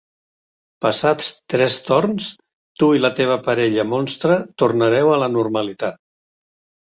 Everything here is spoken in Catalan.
Passats tres torns, tu i la teva parella monstre tornareu a la normalitat.